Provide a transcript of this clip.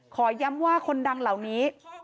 ขอย้ำว่าคนดังเหล่านี้